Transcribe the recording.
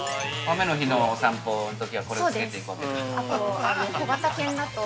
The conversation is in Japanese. ◆雨の日のお散歩のときは、これつけて。